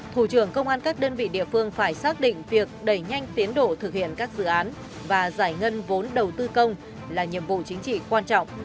thủ trưởng công an các đơn vị địa phương phải xác định việc đẩy nhanh tiến độ thực hiện các dự án và giải ngân vốn đầu tư công là nhiệm vụ chính trị quan trọng